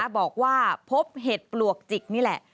บอกว่าพบเห็ดปลวกจิกนี่แหละ